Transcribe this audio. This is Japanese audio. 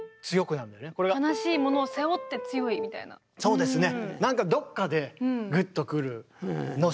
そうですね。